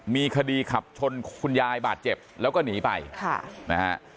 มีคดีขับชนคุณยายบาดเจ็บแล้วก็หนีไปค่ะนะฮะ